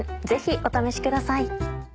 ぜひお試しください。